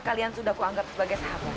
kalian kelihatan cegat banget ifrong